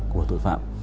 của tội phạm